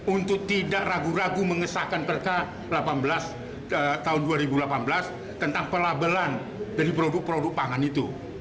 untuk tidak ragu ragu mengesahkan perka delapan belas tahun dua ribu delapan belas tentang pelabelan dari produk produk pangan itu